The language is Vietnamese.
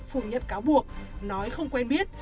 phủ nhận cáo buộc nói không quen biết